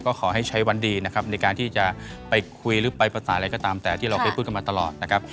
ก็ขอให้ใช้วันดีนะครับในการที่จะไปคุยหรือไปภาษาอะไรก็ตามแต่ที่เราเคยพูดกันมาตลอดนะครับ